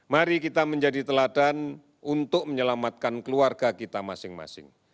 mari kita menjadi teladan untuk menyelamatkan keluarga kita masing masing